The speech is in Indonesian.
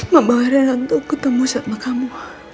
membawa rena untuk ketemu sama kamu